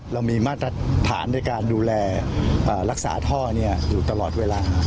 เรามีมาตรฐานในการดูแลรักษาท่ออยู่ตลอดเวลา